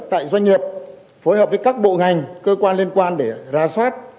tại doanh nghiệp phối hợp với các bộ ngành cơ quan liên quan để ra soát